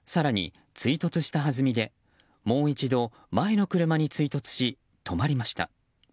更に追突したはずみでもう一度前の車に衝突し、止まりました。